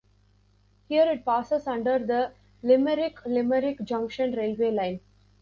Here it passes under the Limerick-Limerick Junction railway line.